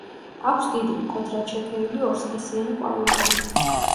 აქვს დიდი, მკვეთრად შეფერილი ორსქესიანი ყვავილები.